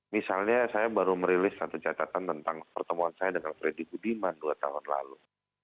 misalnya saya baru merilis satu catatan tentang pertemuan saya dengan freddy budiman dua tahun lalu